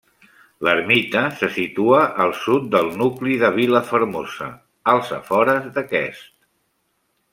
L'ermita se situa al sud del nucli de Vilafermosa, als afores d'aquest.